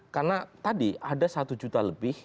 karena tadi ada satu juta lebih